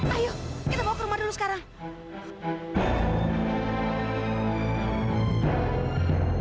ayo kita bawa ke rumah dulu sekarang